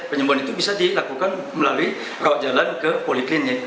penyembuhan itu bisa dilakukan melalui rawat jalan ke poliklinik